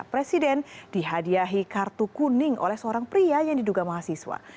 presiden dihadiahi kartu kuning oleh seorang pria yang diduga mahasiswa